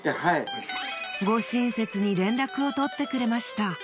ご親切に連絡を取ってくれました。